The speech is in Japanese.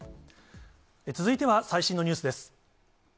続いては最新のニュースです。